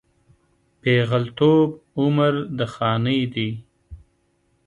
پېغلتوب عمر د خانۍ دی